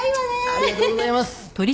ありがとうございます！